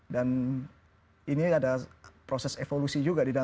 dan ini ada proses evolusi juga disitu